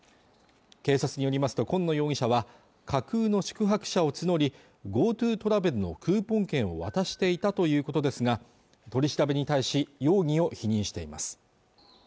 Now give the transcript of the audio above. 警察によりますと紺野容疑者は架空の宿泊者を募りＧｏＴｏトラベルのクーポン券を渡していたということですが取り調べに対し容疑を否認しています